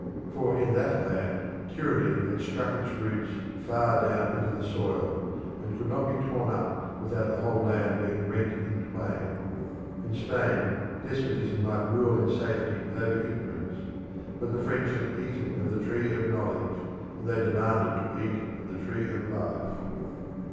For in that land tyranny had struck its roots far down into the soil, and could not be torn up without the whole land being rent in twain. In Spain, despotism might rule in safety over ignorance; but the French had eaten of the Tree of Knowledge, and they demanded to eat of the Tree of Life.